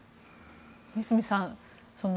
三隅さん